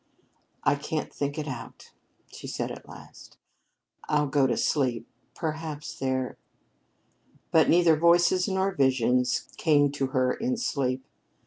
"I can't think it out," she said at last. "I'll go to sleep. Perhaps there " But neither voices nor visions came to her in sleep.